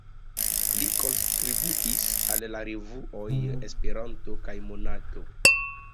Li kontribuis al la revuoj "Esperanto" kaj "Monato".